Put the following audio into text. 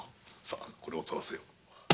さこれをとらせよう。